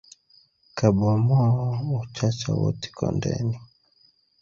Kabomoo uchacha woti kondeni.